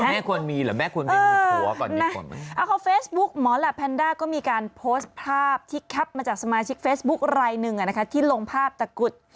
แม่ควรมีเหรอแม่ควรมีผัวก่อนนะเขาเฟซบุ๊กหมอแหลปแพนด้าก็มีการโพสต์ภาพที่แคปมาจากสมาชิกเฟซบุ๊คลายหนึ่งอ่ะนะคะที่ลงภาพตะกุด